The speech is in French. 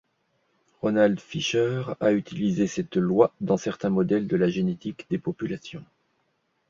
Ronald Fisher a utilisé cette loi dans certains modèles de la génétique des populations.